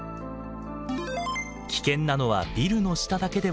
危険なのはビルの下だけではありません。